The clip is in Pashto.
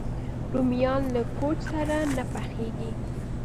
رومیان له کوچ سره نه پخېږي